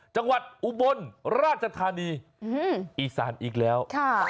จังหวัดอุบลราชธานีอีสานอีกแล้ว